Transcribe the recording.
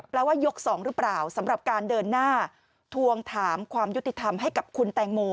ว่ายก๒หรือเปล่าสำหรับการเดินหน้าทวงถามความยุติธรรมให้กับคุณแตงโม